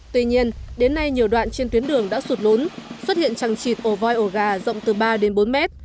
tuy nhiên đến nay nhiều đoạn trên tuyến đường đã sụt lún xuất hiện trăng trịt ổ voi ổ gà rộng từ ba đến bốn mét